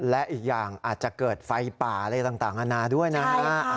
และอีกอย่างอาจจะเกิดไฟป่าอะไรต่างอาณาด้วยนะฮะ